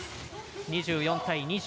２４対２０。